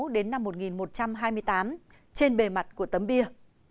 di tích được thiết kế vào năm một nghìn một trăm hai mươi tám trên bề mặt của tấm bia